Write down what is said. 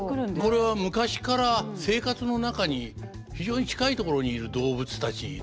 これは昔から生活の中に非常に近いところにいる動物たちですよね。